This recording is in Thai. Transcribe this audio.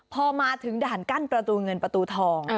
พอมาถึงด่านกั้นประตูเงินประตูทอง